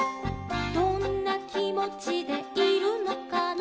「どんなきもちでいるのかな」